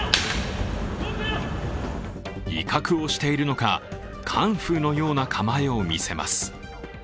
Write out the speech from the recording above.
威嚇をしているのかカンフーのような構えを見せます。